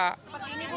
seperti ini bu